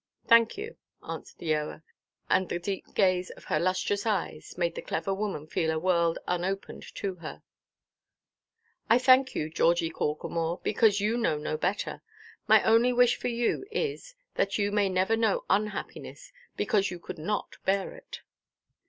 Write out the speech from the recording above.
"Thank you," answered Eoa, and the deep gaze of her lustrous eyes made the clever woman feel a world unopened to her; "I thank you, Georgie Corklemore, because you know no better. My only wish for you is, that you may never know unhappiness, because you could not bear it."